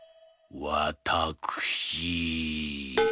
わたくしー」。